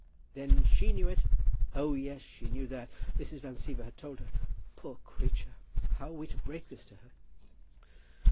"Then she knew it?" "Oh, yes; she knew that. Mrs. Van Siever had told her. Poor creature! How are we to break this to her?"